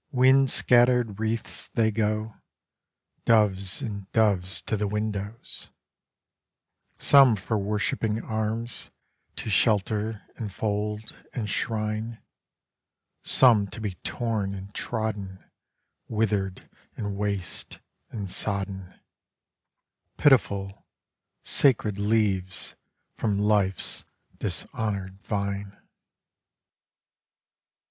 Wind scattered wreaths they go, Doves, and doves, to the windows; Some for worshipping arms, to shelter and fold, and shrine; Some to be torn and trodden, Withered and waste, and sodden; Pitiful, sacred leaves from Life's dishonored vine.